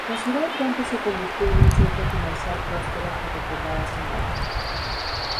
La ciudad pronto se convirtió en un centro comercial próspero que recordaba su nombre.